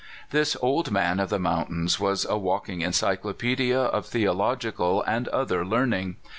This old man of the mountains was a walking encyclopedia of theological and other learning.